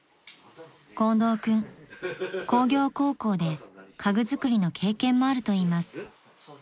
［近藤君工業高校で家具作りの経験もあるといいます］